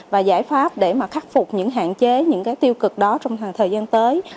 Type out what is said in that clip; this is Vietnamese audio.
và giải pháp để mà khắc phục những hạn chế những cái tiêu cực đó trong thời gian tới